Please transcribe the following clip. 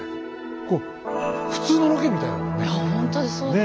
こう普通のロケみたいだもんね。